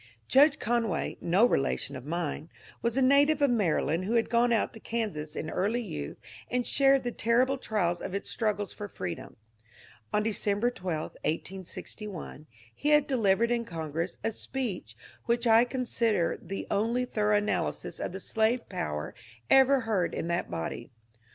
Judge Conway — no relation of mine — was a native of Maryland who had gone out to Kansas in early youth and shared the terrible trials of its struggles for freedom. On December 12, 1861, he had delivered in Congress a speech which I consider the only thorough analysis of the slave power ever heard in that body.